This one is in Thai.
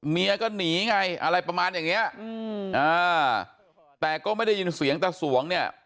เมียก็หนีไงอะไรประมาณอย่างเนี้ยอืมอ่าแต่ก็ไม่ได้ยินเสียงตะสวงเนี่ย